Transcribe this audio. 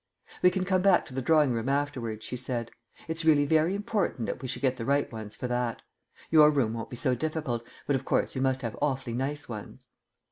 "We can come back to the drawing room afterwards," she said. "It's really very important that we should get the right ones for that. Your room won't be so difficult, but, of course, you must have awfully nice ones."